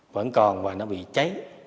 vẫn còn và nó bị cháy